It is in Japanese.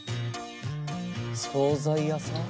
惣菜屋さん？